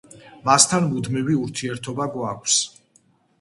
მასთან მუდმივი ურთიერთობა გვაქვს.